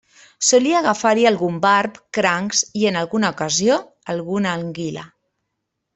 Solia agafar-hi algun barb, crancs, i en alguna ocasió alguna anguila.